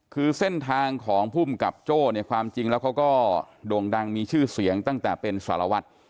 คือเส้นทางของภูมิกับโจ้เนี่ยความจริงแล้วเขาก็โด่งดังมีชื่อเสียงตั้งแต่เป็นสารวัตร